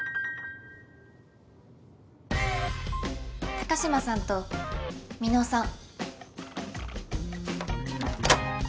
高嶋さんと美濃さん。